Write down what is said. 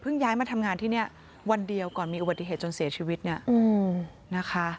ย้ายมาทำงานที่นี่วันเดียวก่อนมีอุบัติเหตุจนเสียชีวิตเนี่ยนะคะ